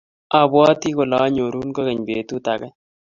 Abwati kole anyorun kogeny betut age